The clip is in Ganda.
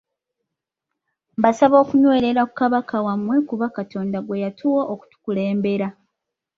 Mbasaba okunywerera ku Kabaka wammwe kuba Katonda gwe yatuwa okutukulembera.